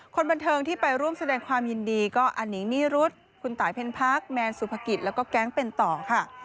คนบันเทิงที่ไปร่วมแสดงความยินดีก็อนิงนิรุธคุณตายเพ็ญพักแมนสุภกิจแล้วก็แก๊งเป็นต่อค่ะ